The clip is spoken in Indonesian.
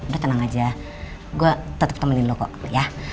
udah tenang aja gue tetep temenin lo kok ya